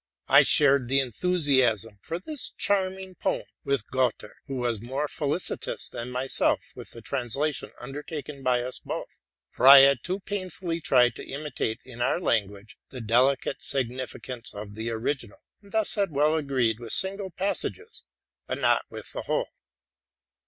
I shared the enthu siasm for this charming poem with Gotter, who was more felicitous than myself with the translation undertaken by us both; for I had too painfully tried to imitate in our lan cuage the delicate significance of the original, and thus had well agreed with single passages, but not with the whole.